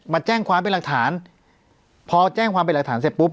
มาแจ้งความเป็นหลักฐานพอแจ้งความเป็นหลักฐานเสร็จปุ๊บ